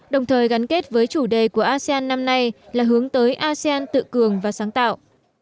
đồng thời gắn kết với chủ đề của asean năm nay là hướng tới asean tự cường và sáng tạo